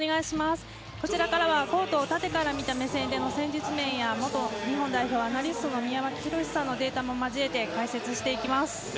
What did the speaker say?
こちらからはコートを縦から見た目線での戦術面や元日本代表アナリストの宮脇裕史さんのデータも交えて解説していきます。